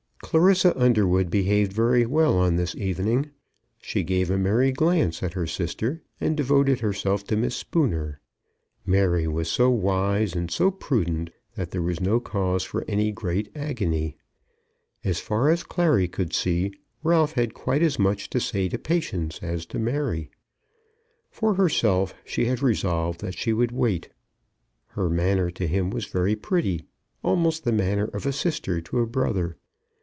Clarissa Underwood behaved very well on this evening. She gave a merry glance at her sister, and devoted herself to Miss Spooner. Mary was so wise and so prudent that there was no cause for any great agony. As far as Clary could see, Ralph had quite as much to say to Patience as to Mary. For herself she had resolved that she would wait. Her manner to him was very pretty, almost the manner of a sister to a brother.